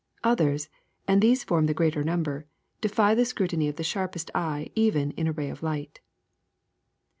Others, and these form the greater number, defy the scrutiny of the sharpest eye even in a ray of light.